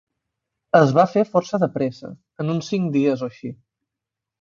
Es va fer força de pressa, en uns cinc dies o així.